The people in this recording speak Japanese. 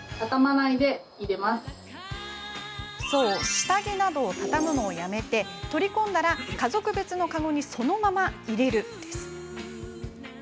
下着などをたたむのをやめて取り込んだら家族別のカゴにそのまま入れる。